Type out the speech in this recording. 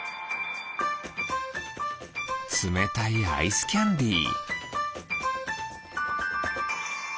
つめたいアイスキャンディー。